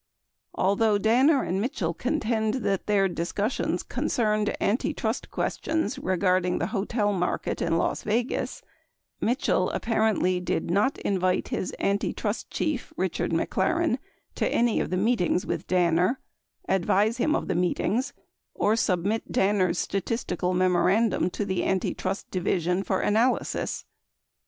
Although Danner and Mitchell contend that their discussions concerned antitrust questions regarding the hotel market in Las Vegas, Mitchell apparently did not invite his anti trust chief, Richard McLaren, to any of the meetings with Danner, advise him of the meetings, or submit Danner's statistical memoran dum to the Antitrust Division for analysis.